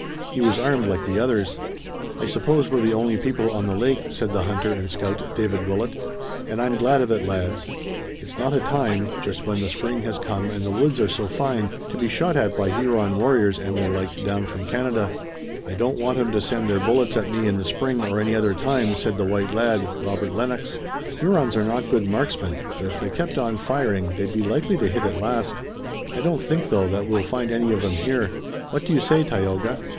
He was armed like the others. "I suppose we're the only people on the lake," said the hunter and scout, David Willet, "and I'm glad of it, lads. It's not a time, just when the spring has come and the woods are so fine, to be shot at by Huron warriors and their like down from Canada." "I don't want 'em to send their bullets at me in the spring or any other time," said the white lad, Robert Lennox. "Hurons are not good marksmen, but if they kept on firing they'd be likely to hit at last. I don't think, though, that we'll find any of 'em here. What do you say, Tayoga?"